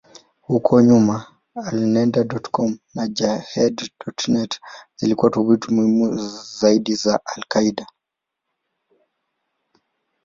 Huko nyuma, Alneda.com na Jehad.net zilikuwa tovuti muhimu zaidi za al-Qaeda.